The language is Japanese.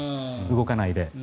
動かないで。